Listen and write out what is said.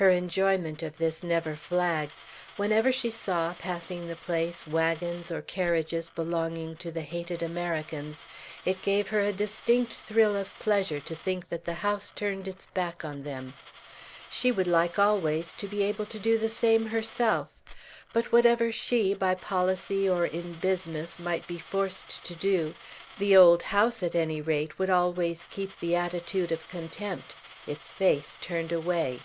Her enjoyment of this never flagged. Whenever she saw, passing the place, wagons or carriages belonging to the hated Americans, it gave her a distinct thrill of pleasure to think that the house turned its back on them. She would like always to be able to do the same herself; but whatever she, by policy or in business, might be forced to do, the old house, at any rate, would always keep the attitude of contempt, its face turned away.